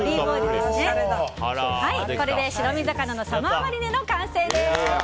これで白身魚のサマーマリネの完成です。